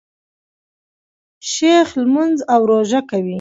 شیخ لمونځ او روژه کوي.